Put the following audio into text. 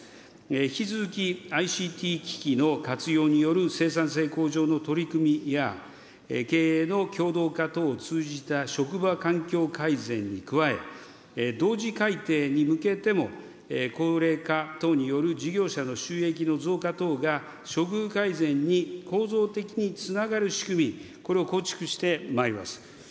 引き続きＩＣＴ機器の活用による生産性向上の取り組みや、経営の共同化等を通じた職場環境改善に加え、同時改定に向けても、高齢化等による事業者の収益の増加等が処遇改善に構造的につながる仕組み、これを構築してまいります。